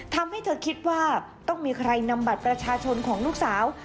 ทำให้เธอคิดว่าต้องมีใครนำบัตรประชาชนของลูกสาว